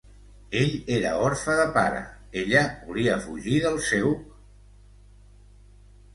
Ell era orfe de pare, ella volia fugir del seu...